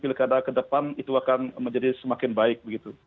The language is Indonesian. pilkada ke depan itu akan menjadi semakin baik begitu